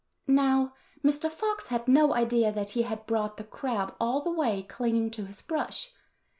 Now, Mr. Fox had no idea that he had brought the crab all the way clinging to his brush.